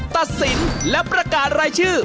ตัดสินและประกาศรายชื่อ